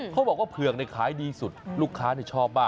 เขาบอกว่าเผือกขายดีสุดลูกค้าชอบมาก